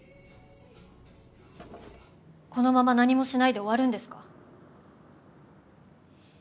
このまま何もしないで終わるんですか？